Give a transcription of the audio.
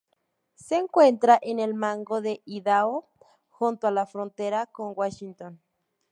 Se encuentra en el Mango de Idaho, junto a la frontera con Washington.